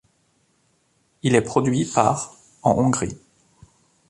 Il est produit par en Hongrie.